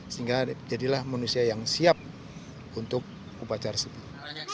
sehingga jadilah manusia yang siap untuk upacara sebut